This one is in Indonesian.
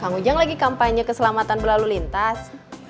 kang ujang lagi kampanye keselamatan berlalu lintas